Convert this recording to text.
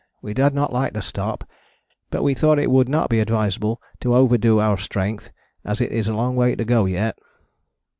We did not like to stop, but we thought it would not be advisable to overdo our strength as it is a long way to go yet.